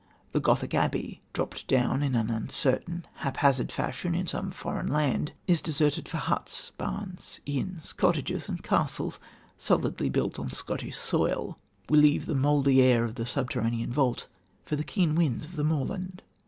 The Gothic abbey, dropped down in an uncertain, haphazard fashion, in some foreign land, is deserted for huts, barns inns, cottages and castles, solidly built on Scottish soil. We leave the mouldy air of the subterranean vault for the keen winds of the moorland.